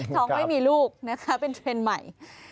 น้องไม่มีลูกนะคะเป็นเทรนด์ใหม่